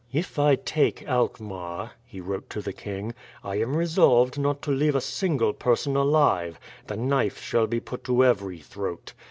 "If I take Alkmaar," he wrote to the king, "I am resolved not to leave a single person alive; the knife shall be put to every throat.